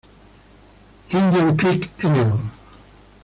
Indian Creek No.